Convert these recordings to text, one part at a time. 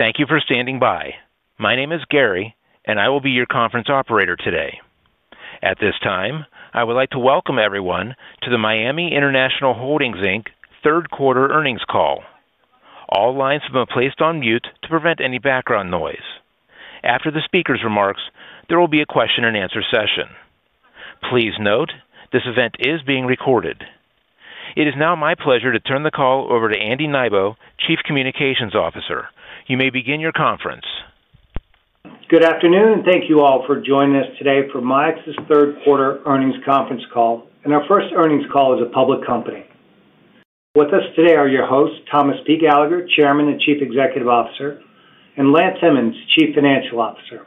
Thank you for standing by. My name is Gary, and I will be your conference operator today. At this time, I would like to welcome everyone to the Miami International Holdings third quarter earnings call. All lines have been placed on mute to prevent any background noise. After the speaker's remarks, there will be a question-and-answer session. Please note this event is being recorded. It is now my pleasure to turn the call over to Andy Nybo, Chief Communications Officer. You may begin your conference. Good afternoon, and thank you all for joining us today for MIAX's third quarter earnings conference call. This is our first earnings call as a public company. With us today are your hosts, Thomas Gallagher, Chairman and Chief Executive Officer, and Lance Emmons, Chief Financial Officer.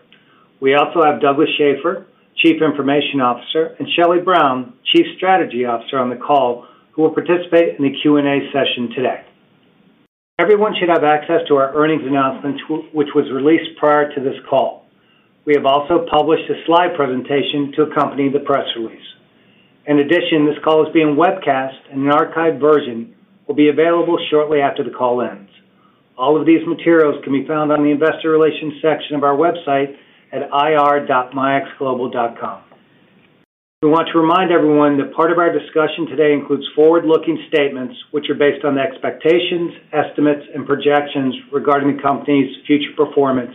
We also have Douglas Schaeffer, Chief Information Officer, and Shelly Brown, Chief Strategy Officer on the call, who will participate in the Q&A session today. Everyone should have access to our earnings announcement, which was released prior to this call. We have also published a slide presentation to accompany the press release. In addition, this call is being webcast, and an archived version will be available shortly after the call ends. All of these materials can be found on the investor relations section of our website at ir.miaxglobal.com. We want to remind everyone that part of our discussion today includes forward-looking statements, which are based on the expectations, estimates, and projections regarding the company's future performance,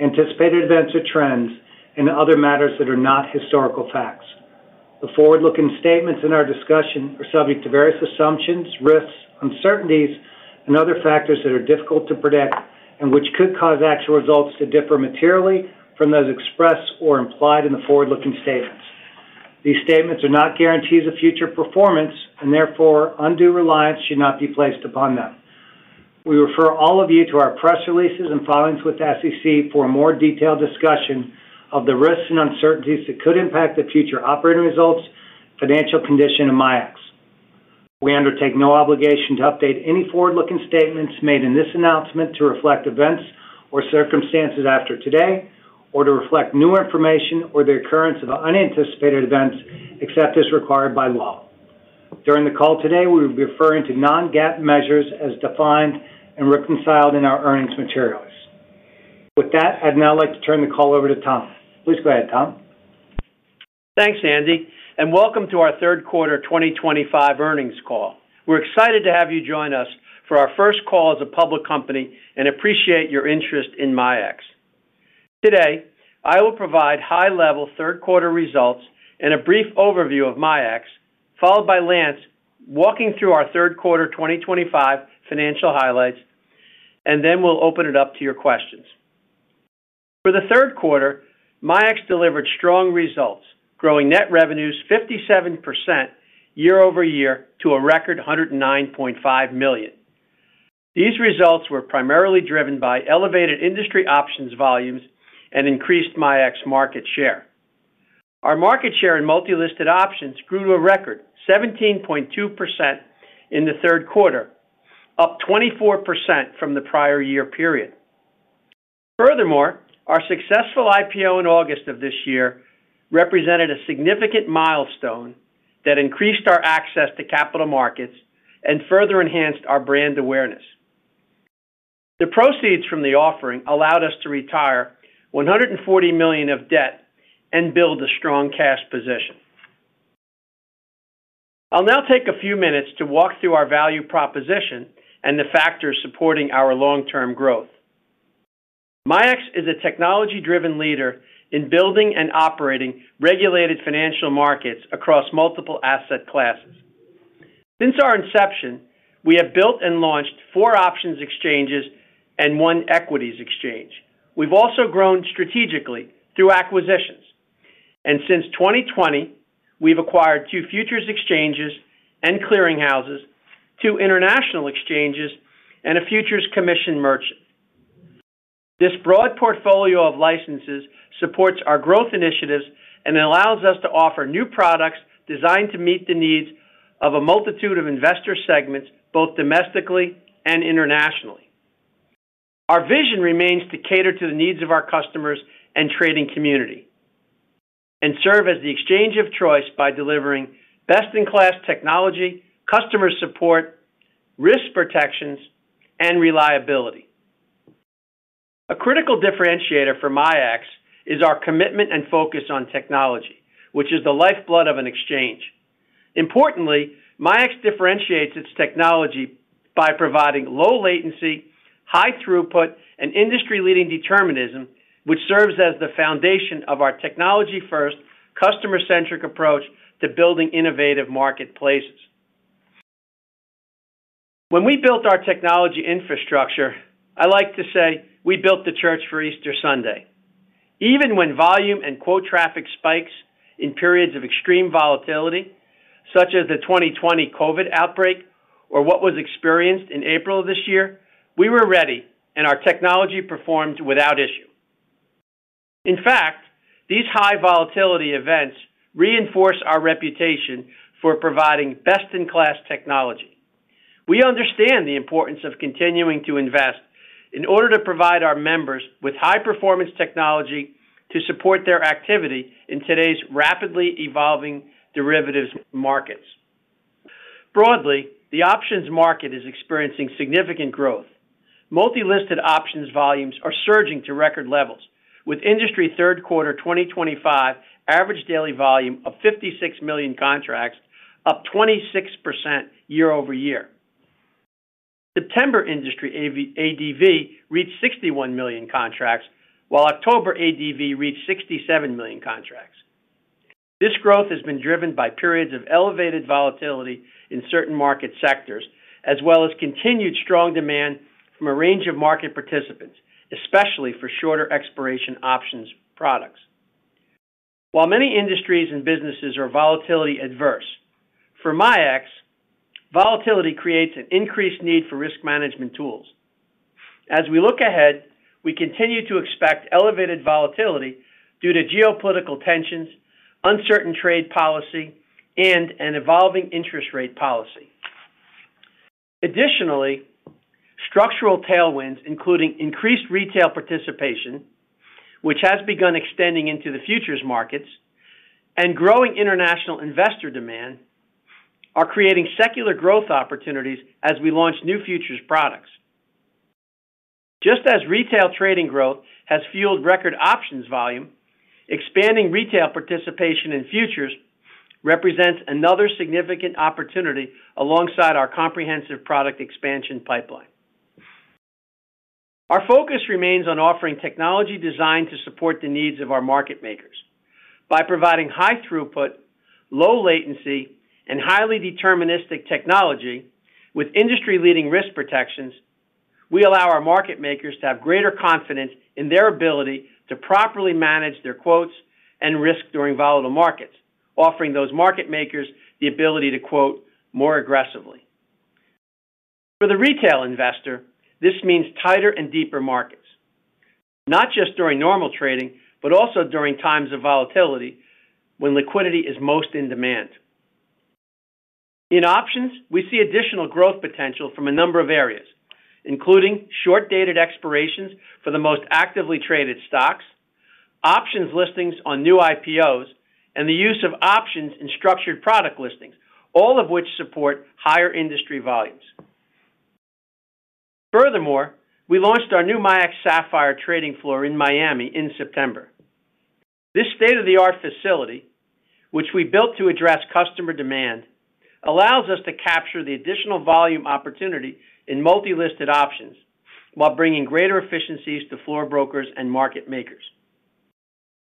anticipated events or trends, and other matters that are not historical facts. The forward-looking statements in our discussion are subject to various assumptions, risks, uncertainties, and other factors that are difficult to predict and which could cause actual results to differ materially from those expressed or implied in the forward-looking statements. These statements are not guarantees of future performance, and therefore, undue reliance should not be placed upon them. We refer all of you to our press releases and filings with the SEC for a more detailed discussion of the risks and uncertainties that could impact the future operating results, financial condition, and MIAX's. We undertake no obligation to update any forward-looking statements made in this announcement to reflect events or circumstances after today or to reflect new information or the occurrence of unanticipated events except as required by law. During the call today, we will be referring to non-GAAP measures as defined and reconciled in our earnings materials. With that, I'd now like to turn the call over to Tom. Please go ahead, Tom. Thanks, Andy. Welcome to our third quarter 2025 earnings call. We're excited to have you join us for our first call as a public company and appreciate your interest in MIAX. Today, I will provide high-level third quarter results and a brief overview of MIAX, followed by Lance walking through our third quarter 2025 financial highlights, and then we'll open it up to your questions. For the third quarter, MIAX delivered strong results, growing net revenues 57% year-over-year to a record $109.5 million. These results were primarily driven by elevated industry options volumes and increased MIAX market share. Our market share in multi-listed options grew to a record 17.2% in the third quarter, up 24% from the prior year period. Furthermore, our successful IPO in August of this year represented a significant milestone that increased our access to capital markets and further enhanced our brand awareness. The proceeds from the offering allowed us to retire $140 million of debt and build a strong cash position. I'll now take a few minutes to walk through our value proposition and the factors supporting our long-term growth. MIAX is a technology-driven leader in building and operating regulated financial markets across multiple asset classes. Since our inception, we have built and launched four options exchanges and one equities exchange. We've also grown strategically through acquisitions. Since 2020, we've acquired two futures exchanges and clearinghouses, two international exchanges, and a futures commission merchant. This broad portfolio of licenses supports our growth initiatives and allows us to offer new products designed to meet the needs of a multitude of investor segments, both domestically and internationally. Our vision remains to cater to the needs of our customers and trading community. Serve as the exchange of choice by delivering best-in-class technology, customer support, risk protections, and reliability. A critical differentiator for MIAX is our commitment and focus on technology, which is the lifeblood of an exchange. Importantly, MIAX differentiates its technology by providing low latency, high throughput, and industry-leading determinism, which serves as the foundation of our technology-first, customer-centric approach to building innovative marketplaces. When we built our technology infrastructure, I like to say we built the church for Easter Sunday. Even when volume and quote traffic spikes in periods of extreme volatility, such as the 2020 COVID outbreak or what was experienced in April of this year, we were ready, and our technology performed without issue. In fact, these high volatility events reinforce our reputation for providing best-in-class technology. We understand the importance of continuing to invest in order to provide our members with high-performance technology to support their activity in today's rapidly evolving derivatives markets. Broadly, the options market is experiencing significant growth. Multi-listed options volumes are surging to record levels, with industry third quarter 2025 average daily volume of 56 million contracts, up 26% year-over-year. September industry ADV reached 61 million contracts, while October ADV reached 67 million contracts. This growth has been driven by periods of elevated volatility in certain market sectors, as well as continued strong demand from a range of market participants, especially for shorter expiration options products. While many industries and businesses are volatility averse, for MIAX, volatility creates an increased need for risk management tools. As we look ahead, we continue to expect elevated volatility due to geopolitical tensions, uncertain trade policy, and an evolving interest rate policy. Additionally, structural tailwinds, including increased retail participation, which has begun extending into the futures markets, and growing international investor demand, are creating secular growth opportunities as we launch new futures products. Just as retail trading growth has fueled record options volume, expanding retail participation in futures represents another significant opportunity alongside our comprehensive product expansion pipeline. Our focus remains on offering technology designed to support the needs of our market makers. By providing high throughput, low latency, and highly deterministic technology with industry-leading risk protections, we allow our market makers to have greater confidence in their ability to properly manage their quotes and risk during volatile markets, offering those market makers the ability to quote more aggressively. For the retail investor, this means tighter and deeper markets, not just during normal trading, but also during times of volatility when liquidity is most in demand. In options, we see additional growth potential from a number of areas, including short-dated expirations for the most actively traded stocks, options listings on new IPOs, and the use of options in structured product listings, all of which support higher industry volumes. Furthermore, we launched our new MIAX Sapphire Trading Floor in Miami in September. This state-of-the-art facility, which we built to address customer demand, allows us to capture the additional volume opportunity in multi-listed options while bringing greater efficiencies to floor brokers and market makers.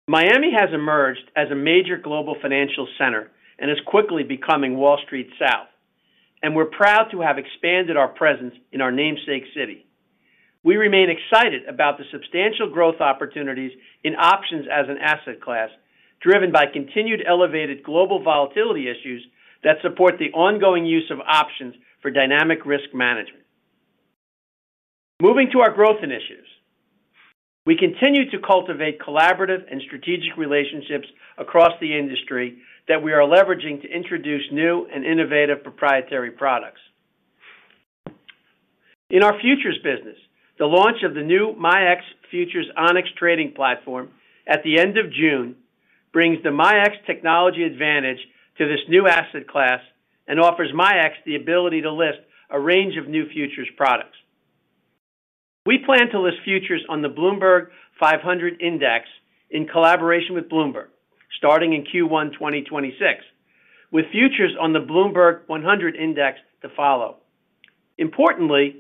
Miami has emerged as a major global financial center and is quickly becoming Wall Street South, and we're proud to have expanded our presence in our namesake city. We remain excited about the substantial growth opportunities in options as an asset class, driven by continued elevated global volatility issues that support the ongoing use of options for dynamic risk management. Moving to our growth initiatives, we continue to cultivate collaborative and strategic relationships across the industry that we are leveraging to introduce new and innovative proprietary products. In our futures business, the launch of the new MIAX Futures Onyx trading platform at the end of June brings the MIAX technology advantage to this new asset class and offers MIAX the ability to list a range of new futures products. We plan to list futures on the Bloomberg 500 Index in collaboration with Bloomberg, starting in Q1 2026, with futures on the Bloomberg 100 Index to follow. Importantly,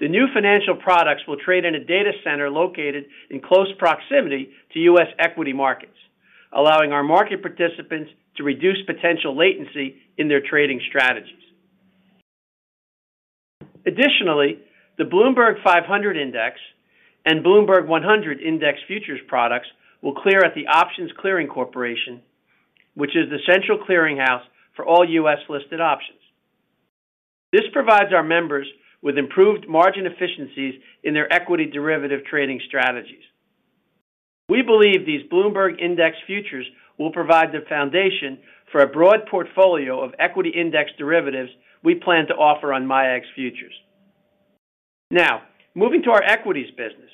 the new financial products will trade in a data center located in close proximity to U.S. equity markets, allowing our market participants to reduce potential latency in their trading strategies. Additionally, the Bloomberg 500 Index and Bloomberg 100 Index futures products will clear at the Options Clearing Corporation, which is the Central Clearing House for all U.S. listed options. This provides our members with improved margin efficiencies in their equity derivative trading strategies. We believe these Bloomberg Index futures will provide the foundation for a broad portfolio of equity index derivatives we plan to offer on MIAX Futures. Now, moving to our equities business,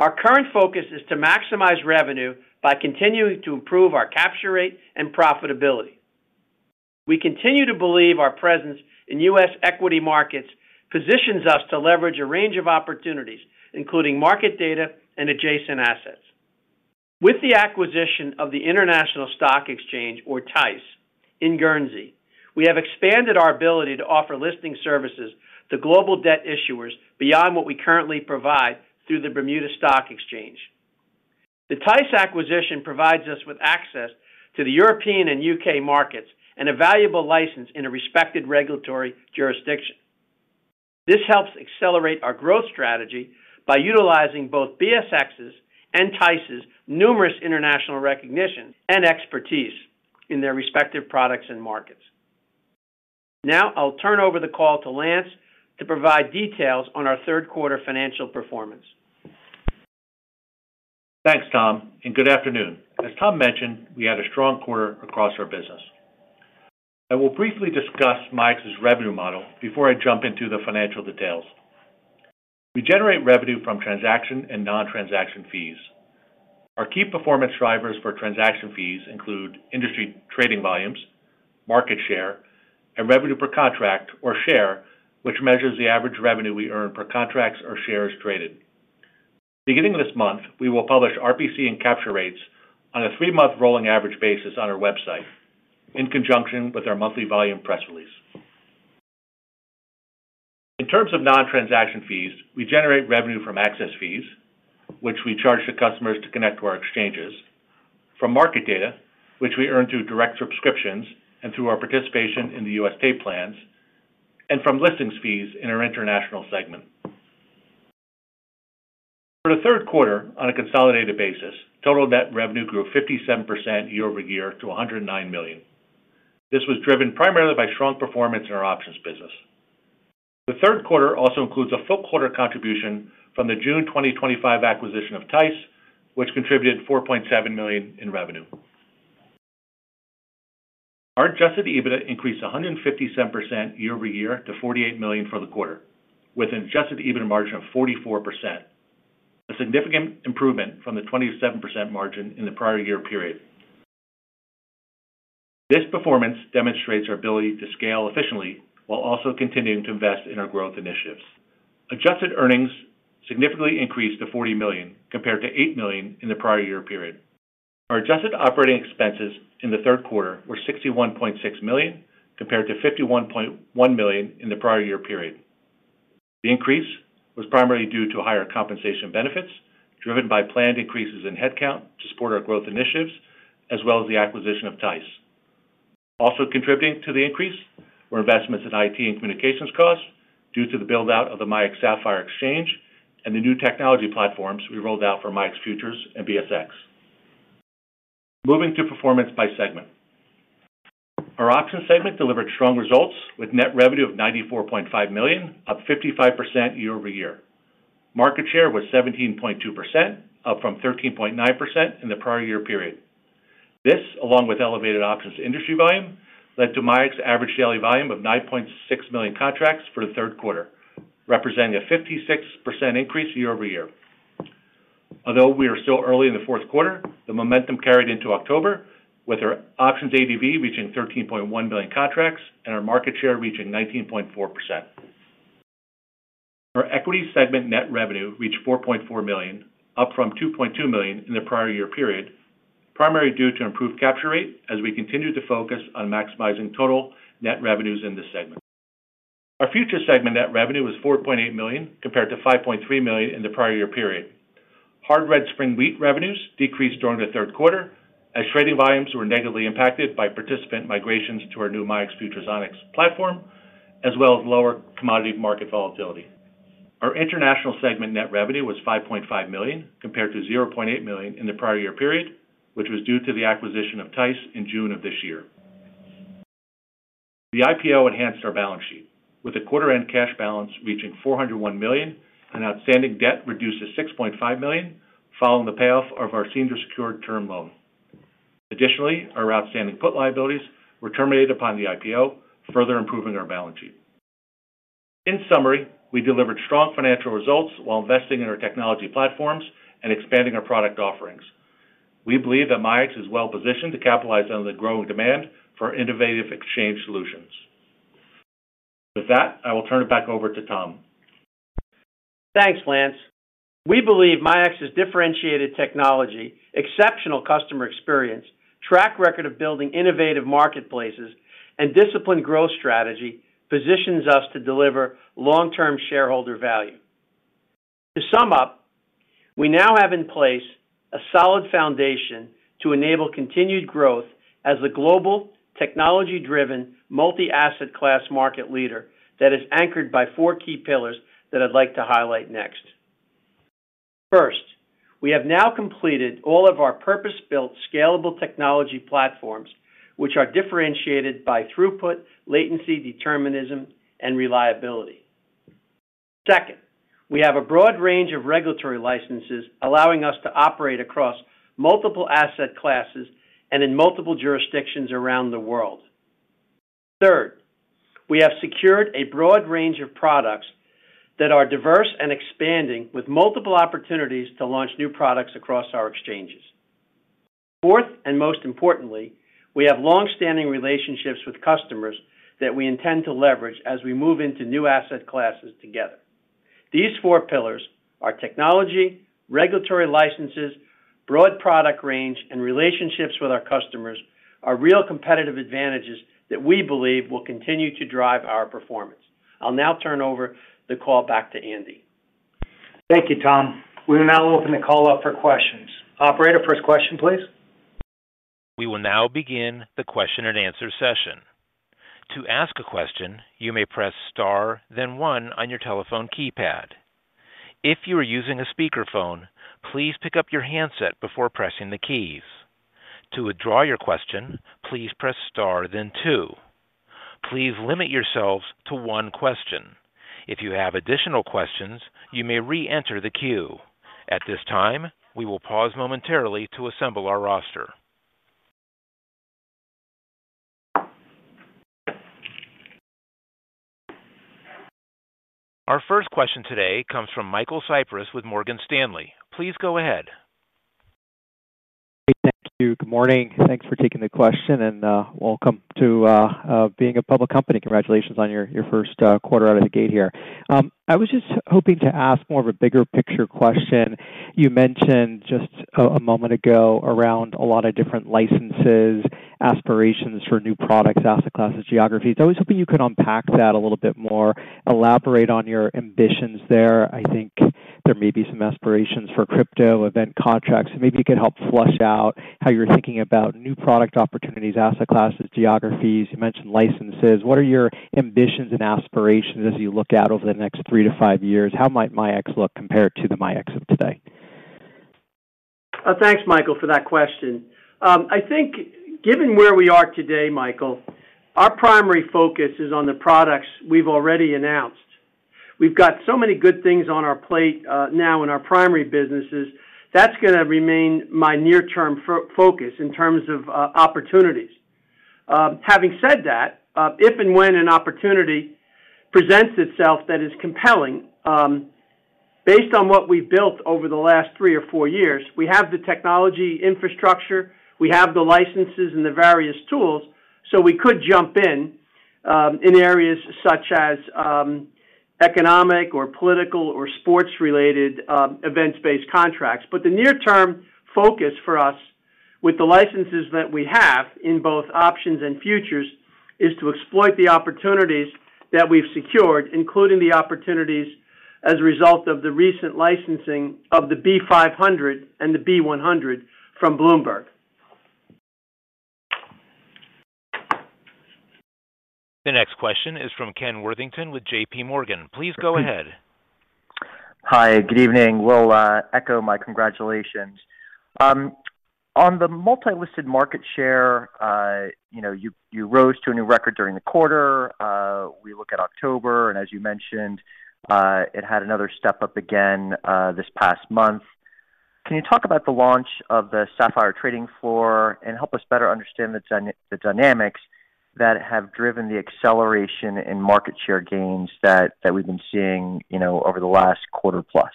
our current focus is to maximize revenue by continuing to improve our capture rate and profitability. We continue to believe our presence in U.S. equity markets positions us to leverage a range of opportunities, including market data and adjacent assets. With the acquisition of The International Stock Exchange, or TISE, in Guernsey, we have expanded our ability to offer listing services to global debt issuers beyond what we currently provide through the Bermuda Stock Exchange. The TISE acquisition provides us with access to the European and U.K. markets and a valuable license in a respected regulatory jurisdiction. This helps accelerate our growth strategy by utilizing both BSX's and TISE's numerous international recognition and expertise in their respective products and markets. Now, I'll turn over the call to Lance to provide details on our third quarter financial performance. Thanks, Tom, and good afternoon. As Tom mentioned, we had a strong quarter across our business. I will briefly discuss MIAX's revenue model before I jump into the financial details. We generate revenue from transaction and non-transaction fees. Our key performance drivers for transaction fees include industry trading volumes, market share, and revenue per contract or share, which measures the average revenue we earn per contract or shares traded. Beginning this month, we will publish RPC and capture rates on a three-month rolling average basis on our website in conjunction with our monthly volume press release. In terms of non-transaction fees, we generate revenue from access fees, which we charge the customers to connect to our exchanges, from market data, which we earn through direct subscriptions and through our participation in the U.S. state plans, and from listings fees in our international segment. For the third quarter, on a consolidated basis, total net revenue grew 57% year-over-year to $109 million. This was driven primarily by strong performance in our options business. The third quarter also includes a full quarter contribution from the June 2025 acquisition of TISE, which contributed $4.7 million in revenue. Our adjusted EBITDA increased 157% year-over-year to $48 million for the quarter, with an adjusted EBITDA margin of 44%. A significant improvement from the 27% margin in the prior year period. This performance demonstrates our ability to scale efficiently while also continuing to invest in our growth initiatives. Adjusted earnings significantly increased to $40 million compared to $8 million in the prior year period. Our adjusted operating expenses in the third quarter were $61.6 million compared to $51.1 million in the prior year period. The increase was primarily due to higher compensation benefits driven by planned increases in headcount to support our growth initiatives, as well as the acquisition of TISE. Also contributing to the increase were investments in IT and communications costs due to the build-out of the MIAX Sapphire Exchange and the new technology platforms we rolled out for MIAX's futures and BSX. Moving to performance by segment. Our options segment delivered strong results with net revenue of $94.5 million, up 55% year-over-year. Market share was 17.2%, up from 13.9% in the prior year period. This, along with elevated options industry volume, led to MIAX's average daily volume of 9.6 million contracts for the third quarter, representing a 56% increase year-over-year. Although we are still early in the fourth quarter, the momentum carried into October, with our options ADV reaching 13.1 million contracts and our market share reaching 19.4%. Our equity segment net revenue reached $4.4 million, up from $2.2 million in the prior year period, primarily due to improved capture rate as we continue to focus on maximizing total net revenues in this segment. Our futures segment net revenue was $4.8 million compared to $5.3 million in the prior year period. Hard red spring wheat revenues decreased during the third quarter as trading volumes were negatively impacted by participant migrations to our new MIAX Futures Onyx platform, as well as lower commodity market volatility. Our international segment net revenue was $5.5 million compared to $0.8 million in the prior year period, which was due to the acquisition of TISE in June of this year. The IPO enhanced our balance sheet, with the quarter-end cash balance reaching $401 million and outstanding debt reduced to $6.5 million following the payoff of our senior secured term loan. Additionally, our outstanding put liabilities were terminated upon the IPO, further improving our balance sheet. In summary, we delivered strong financial results while investing in our technology platforms and expanding our product offerings. We believe that MIAX is well positioned to capitalize on the growing demand for innovative exchange solutions. With that, I will turn it back over to Tom. Thanks, Lance. We believe MIAX's differentiated technology, exceptional customer experience, track record of building innovative marketplaces, and disciplined growth strategy positions us to deliver long-term shareholder value. To sum up, we now have in place a solid foundation to enable continued growth as the global technology-driven multi-asset class market leader that is anchored by four key pillars that I'd like to highlight next. First, we have now completed all of our purpose-built scalable technology platforms, which are differentiated by throughput, latency, determinism, and reliability. Second, we have a broad range of regulatory licenses allowing us to operate across multiple asset classes and in multiple jurisdictions around the world. Third, we have secured a broad range of products that are diverse and expanding, with multiple opportunities to launch new products across our exchanges. Fourth, and most importantly, we have long-standing relationships with customers that we intend to leverage as we move into new asset classes together. These four pillars—our technology, regulatory licenses, broad product range, and relationships with our customers—are real competitive advantages that we believe will continue to drive our performance. I'll now turn over the call back to Andy. Thank you, Tom. We will now open the call up for questions. Operator, first question, please. We will now begin the question and answer session. To ask a question, you may press star, then one on your telephone keypad. If you are using a speakerphone, please pick up your handset before pressing the keys. To withdraw your question, please press star, then two. Please limit yourselves to one question. If you have additional questions, you may re-enter the queue. At this time, we will pause momentarily to assemble our roster. Our first question today comes from Michael Cyprys with Morgan Stanley. Please go ahead. Hey, thank you. Good morning. Thanks for taking the question and welcome to being a public company. Congratulations on your first quarter out of the gate here. I was just hoping to ask more of a bigger picture question. You mentioned just a moment ago around a lot of different licenses, aspirations for new products, asset classes, geographies. I was hoping you could unpack that a little bit more, elaborate on your ambitions there. I think there may be some aspirations for crypto, Event Contracts. Maybe you could help flesh out how you're thinking about new product opportunities, asset classes, geographies. You mentioned licenses. What are your ambitions and aspirations as you look out over the next three to five years? How might MIAX look compared to the MIAX of today? Thanks, Michael, for that question. I think given where we are today, Michael, our primary focus is on the products we've already announced. We've got so many good things on our plate now in our primary businesses. That's going to remain my near-term focus in terms of opportunities. Having said that, if and when an opportunity presents itself that is compelling, based on what we've built over the last three or four years, we have the technology infrastructure, we have the licenses, and the various tools, so we could jump in. In areas such as economic or political or sports-related events-based contracts. The near-term focus for us with the licenses that we have in both options and futures is to exploit the opportunities that we've secured, including the opportunities as a result of the recent licensing of the B500 and the B100 from Bloomberg. The next question is from Ken Worthington with JPMorgan. Please go ahead. Hi, good evening. Will echo my congratulations on the multi-listed market share. You rose to a new record during the quarter. We look at October, and as you mentioned, it had another step up again this past month. Can you talk about the launch of the Sapphire Trading Floor and help us better understand the dynamics that have driven the acceleration in market share gains that we've been seeing over the last quarter plus?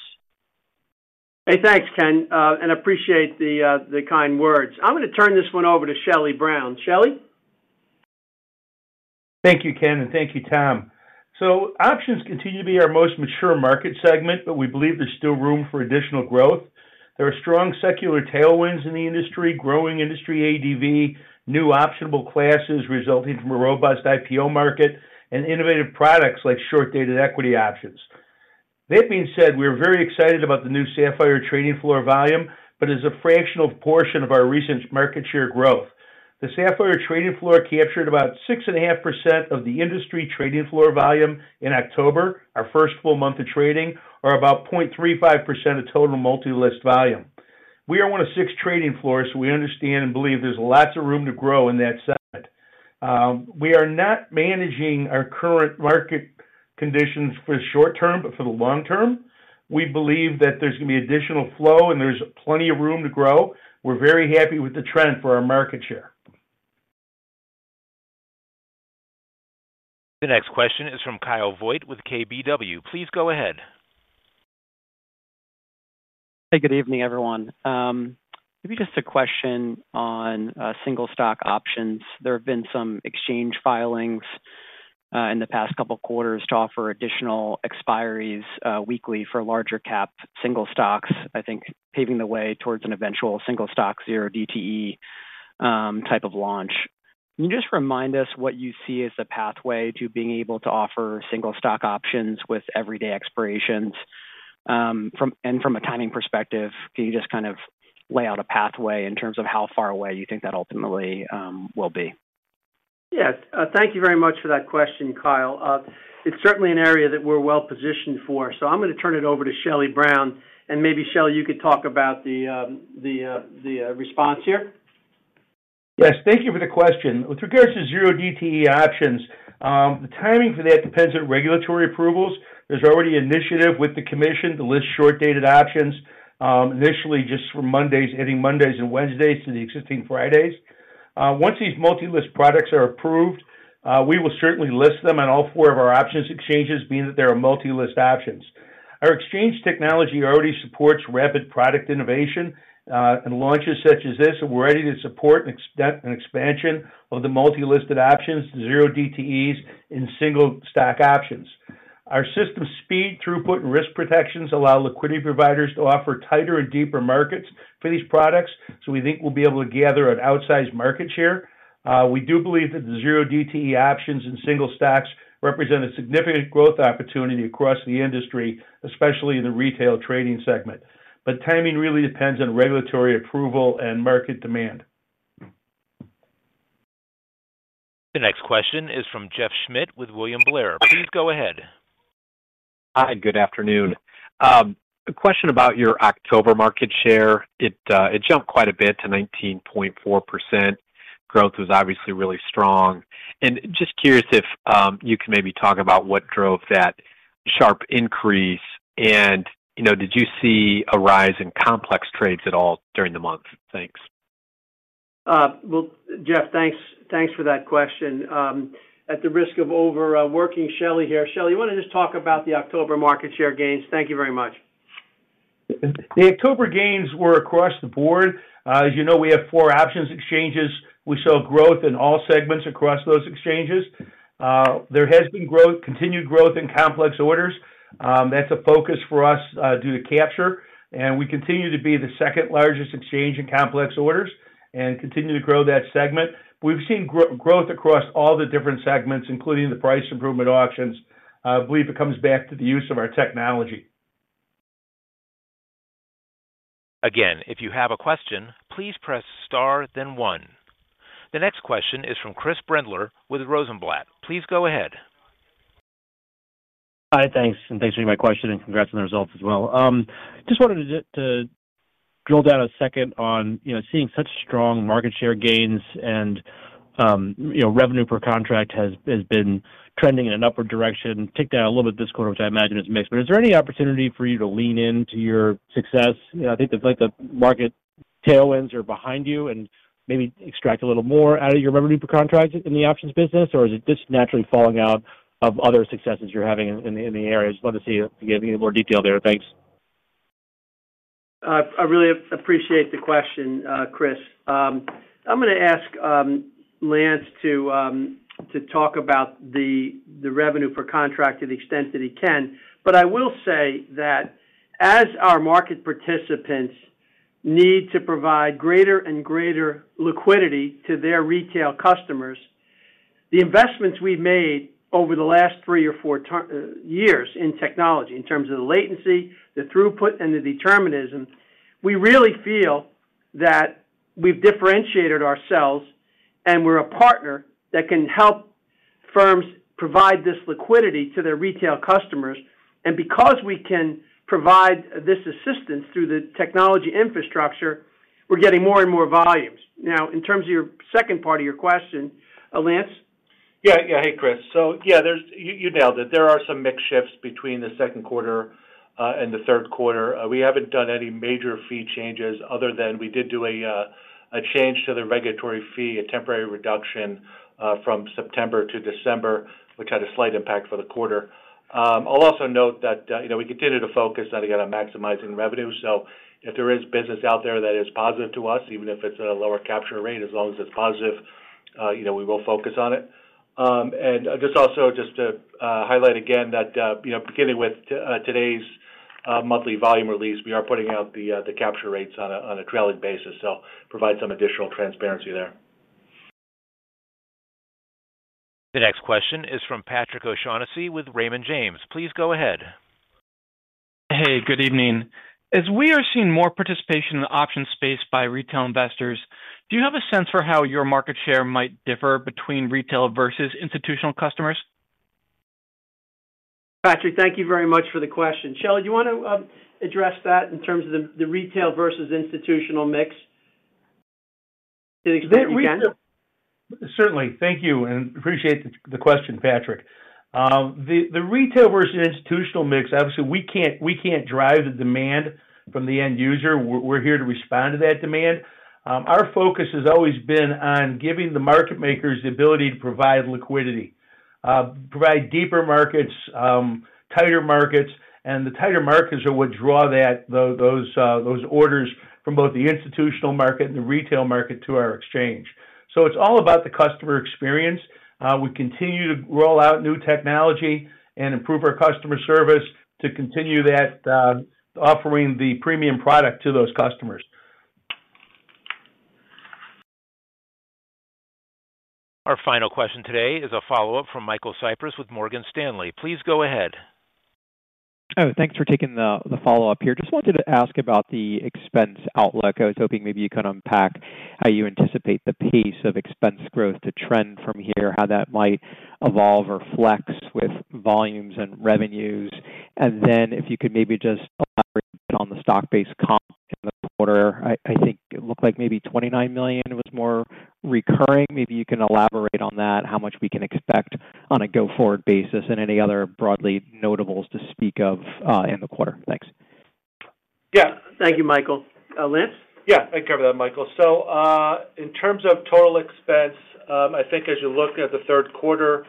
Hey, thanks, Ken, and I appreciate the kind words. I'm going to turn this one over to Shelly Brown. Shelly? Thank you, Ken, and thank you, Tom. Options continue to be our most mature market segment, but we believe there's still room for additional growth. There are strong secular tailwinds in the industry, growing industry ADV, new optionable classes resulting from a robust IPO market, and innovative products like short-dated equity options. That being said, we are very excited about the new Sapphire Trading Floor volume, but it is a fractional portion of our recent market share growth. The Sapphire Trading Floor captured about 6.5% of the industry trading floor volume in October, our first full month of trading, or about 0.35% of total multi-list volume. We are one of six trading floors, so we understand and believe there's lots of room to grow in that segment. We are not managing our current market conditions for the short term, but for the long term, we believe that there's going to be additional flow and there's plenty of room to grow. We're very happy with the trend for our market share. The next question is from Kyle Voigt with KBW. Please go ahead. Hey, good evening, everyone. Maybe just a question on single stock options. There have been some exchange filings in the past couple of quarters to offer additional expiries weekly for larger cap single stocks, I think paving the way towards an eventual single stock zero DTE type of launch. Can you just remind us what you see as the pathway to being able to offer single stock options with everyday expirations? From a timing perspective, can you just kind of lay out a pathway in terms of how far away you think that ultimately will be? Yes. Thank you very much for that question, Kyle. It's certainly an area that we're well positioned for. I'm going to turn it over to Shelly Brown. Maybe, Shelly, you could talk about the response here. Yes. Thank you for the question. With regards to zero DTE options, the timing for that depends on regulatory approvals. There's already an initiative with the commission to list short-dated options initially just for Mondays, ending Mondays and Wednesdays to the existing Fridays. Once these multi-list products are approved, we will certainly list them on all four of our options exchanges, being that they are multi-list options. Our exchange technology already supports rapid product innovation and launches such as this, and we're ready to support an expansion of the multi-listed options, zero DTEs, and single stock options. Our system speed, throughput, and risk protections allow liquidity providers to offer tighter and deeper markets for these products, so we think we'll be able to gather an outsized market share. We do believe that the zero DTE options and single stocks represent a significant growth opportunity across the industry, especially in the retail trading segment. Timing really depends on regulatory approval and market demand. The next question is from Jeff Schmitt with William Blair. Please go ahead. Hi, good afternoon. A question about your October market share. It jumped quite a bit to 19.4%. Growth was obviously really strong. Just curious if you can maybe talk about what drove that sharp increase, and did you see a rise in complex trades at all during the month? Thanks. Jeff, thanks for that question. At the risk of overworking Shelly here, Shelly, you want to just talk about the October market share gains? Thank you very much. The October gains were across the board. As you know, we have four options exchanges. We saw growth in all segments across those exchanges. There has been continued growth in complex orders. That's a focus for us due to capture, and we continue to be the second largest exchange in complex orders and continue to grow that segment. We've seen growth across all the different segments, including the price improvement options. I believe it comes back to the use of our technology. Again, if you have a question, please press star, then one. The next question is from Chris Brendler with Rosenblatt. Please go ahead. Hi, thanks. Thanks for my question, and congrats on the results as well. Just wanted to drill down a second on seeing such strong market share gains and revenue per contract has been trending in an upward direction. Ticked down a little bit this quarter, which I imagine is mixed. Is there any opportunity for you to lean into your success? I think the market tailwinds are behind you, and maybe extract a little more out of your revenue per contract in the options business, or is it just naturally falling out of other successes you're having in the area? Just wanted to see if you gave me a little more detail there. Thanks. I really appreciate the question, Chris. I'm going to ask Lance to talk about the revenue per contract to the extent that he can. I will say that as our market participants need to provide greater and greater liquidity to their retail customers, the investments we've made over the last three or four years in technology, in terms of the latency, the throughput, and the determinism, we really feel that we've differentiated ourselves and we're a partner that can help firms provide this liquidity to their retail customers. Because we can provide this assistance through the technology infrastructure, we're getting more and more volumes. Now, in terms of your second part of your question, Lance? Yeah. Yeah. Hey, Chris. Yeah, you nailed it. There are some mixed shifts between the second quarter and the third quarter. We have not done any major fee changes other than we did do a change to the regulatory fee, a temporary reduction from September to December, which had a slight impact for the quarter. I will also note that we continue to focus on, again, maximizing revenue. If there is business out there that is positive to us, even if it is at a lower capture rate, as long as it is positive, we will focus on it. Just to highlight again that beginning with today's monthly volume release, we are putting out the capture rates on a trailing basis to provide some additional transparency there. The next question is from Patrick O'Shaughnessy with Raymond James. Please go ahead. Hey, good evening. As we are seeing more participation in the options space by retail investors, do you have a sense for how your market share might differ between retail versus institutional customers? Patrick, thank you very much for the question. Shelly, do you want to address that in terms of the retail versus institutional mix? Certainly. Thank you and appreciate the question, Patrick. The retail versus institutional mix, obviously, we can't drive the demand from the end user. We're here to respond to that demand. Our focus has always been on giving the market makers the ability to provide liquidity, provide deeper markets, tighter markets, and the tighter markets are what draw those orders from both the institutional market and the retail market to our exchange. It is all about the customer experience. We continue to roll out new technology and improve our customer service to continue that. Offering the premium product to those customers. Our final question today is a follow-up from Michael Cyprys with Morgan Stanley. Please go ahead. Oh, thanks for taking the follow-up here. Just wanted to ask about the expense outlook. I was hoping maybe you could unpack how you anticipate the pace of expense growth to trend from here, how that might evolve or flex with volumes and revenues. If you could maybe just elaborate on the stock-based comp in the quarter. I think it looked like maybe $29 million was more recurring. Maybe you can elaborate on that, how much we can expect on a go-forward basis and any other broadly notables to speak of in the quarter. Thanks. Yeah. Thank you, Michael. Lance? Yeah. I can cover that, Michael. In terms of total expense, I think as you look at the third quarter,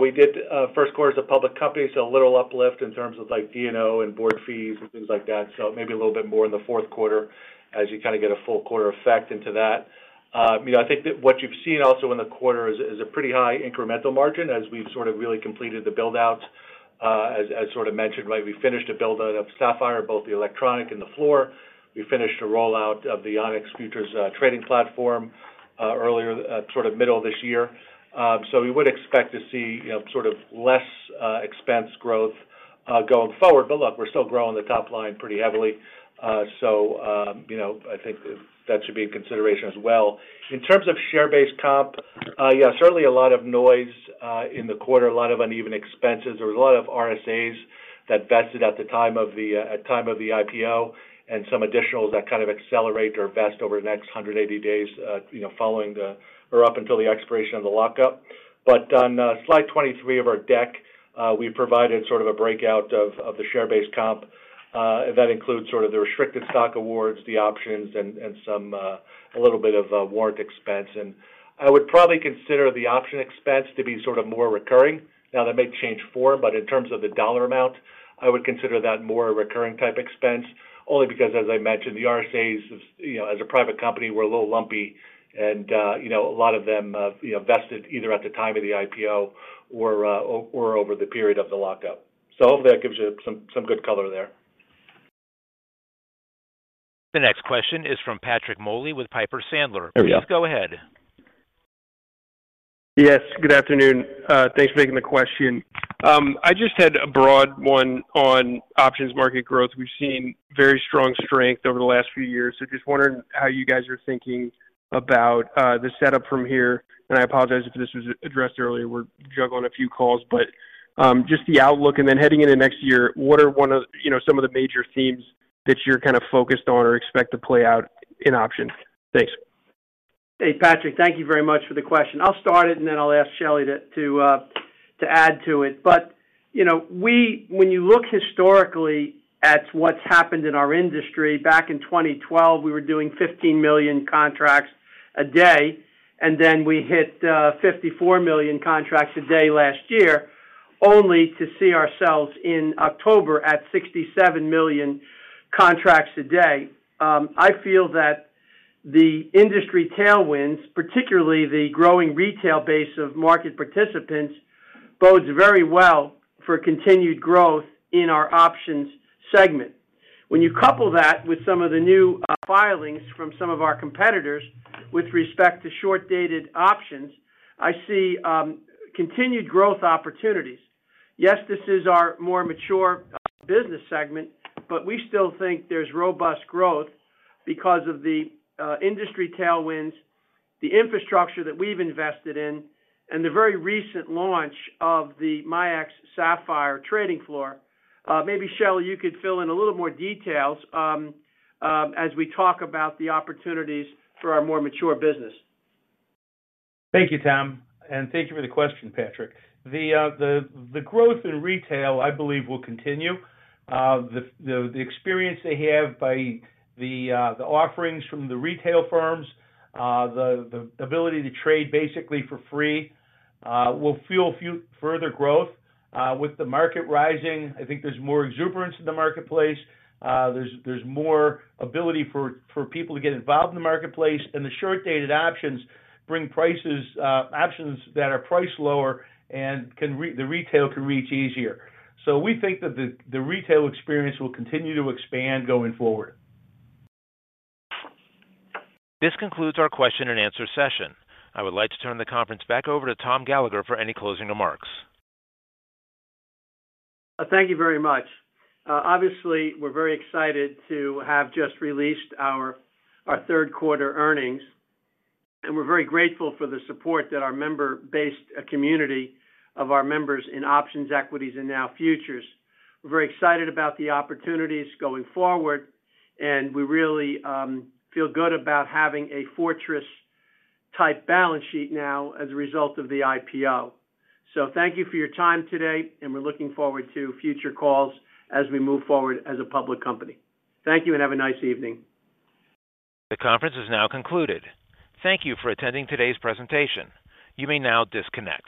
we did first quarter as a public company, so a little uplift in terms of D&O and board fees and things like that. Maybe a little bit more in the fourth quarter as you kind of get a full quarter effect into that. I think that what you've seen also in the quarter is a pretty high incremental margin as we've sort of really completed the build-out. As sort of mentioned, right, we finished a build-out of Sapphire, both the electronic and the floor. We finished a rollout of the Onyx Futures trading platform earlier, sort of middle of this year. We would expect to see sort of less expense growth going forward. Look, we're still growing the top line pretty heavily. I think that should be in consideration as well. In terms of share-based comp, yeah, certainly a lot of noise in the quarter, a lot of uneven expenses. There was a lot of RSAs that vested at the time of the IPO and some additionals that kind of accelerate or vest over the next 180 days following. Up until the expiration of the lockup. On slide 23 of our deck, we provided sort of a breakout of the share-based comp. That includes sort of the restricted stock awards, the options, and a little bit of warrant expense. I would probably consider the option expense to be sort of more recurring. Now, that may change form, but in terms of the dollar amount, I would consider that more a recurring type expense, only because, as I mentioned, the RSAs as a private company were a little lumpy, and a lot of them vested either at the time of the IPO or over the period of the lockup. Hopefully that gives you some good color there. The next question is from Patrick Moley with Piper Sandler. Please go ahead. Yes. Good afternoon. Thanks for taking the question. I just had a broad one on options market growth. We've seen very strong strength over the last few years. Just wondering how you guys are thinking about the setup from here. I apologize if this was addressed earlier. We're juggling a few calls. Just the outlook and then heading into next year, what are some of the major themes that you're kind of focused on or expect to play out in options? Thanks. Hey, Patrick, thank you very much for the question. I'll start it, and then I'll ask Shelly to add to it. When you look historically at what's happened in our industry, back in 2012, we were doing 15 million contracts a day, and then we hit 54 million contracts a day last year, only to see ourselves in October at 67 million contracts a day. I feel that the industry tailwinds, particularly the growing retail base of market participants, bodes very well for continued growth in our options segment. When you couple that with some of the new filings from some of our competitors with respect to short-dated options, I see continued growth opportunities. Yes, this is our more mature business segment, but we still think there's robust growth because of the industry tailwinds, the infrastructure that we've invested in, and the very recent launch of the MIAX Sapphire Trading Floor. Maybe, Shelly, you could fill in a little more details. As we talk about the opportunities for our more mature business. Thank you, Tom. Thank you for the question, Patrick. The growth in retail, I believe, will continue. The experience they have by the offerings from the retail firms, the ability to trade basically for free, will fuel further growth. With the market rising, I think there is more exuberance in the marketplace. There is more ability for people to get involved in the marketplace. The short-dated options bring options that are priced lower, and the retail can reach easier. We think that the retail experience will continue to expand going forward. This concludes our question and answer session. I would like to turn the conference back over to Tom Gallagher for any closing remarks. Thank you very much. Obviously, we're very excited to have just released our third quarter earnings, and we're very grateful for the support that our member-based community of our members in options, equities, and now futures. We're very excited about the opportunities going forward, and we really feel good about having a fortress-type balance sheet now as a result of the IPO. Thank you for your time today, and we're looking forward to future calls as we move forward as a public company. Thank you and have a nice evening. The conference is now concluded. Thank you for attending today's presentation. You may now disconnect.